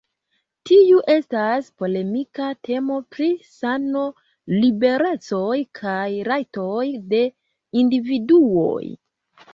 Tiu estas polemika temo pri sano, liberecoj kaj rajtoj de individuoj.